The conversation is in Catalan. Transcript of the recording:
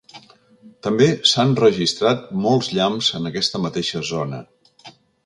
També s’han registrat molts llamps en aquesta mateixa zona.